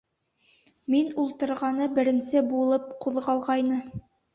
Мин ултырғаны беренсе булып ҡуҙғалғайны.